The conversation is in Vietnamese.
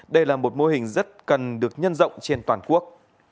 đây là một mô hình rất cần được nhân rộng trên toàn quốc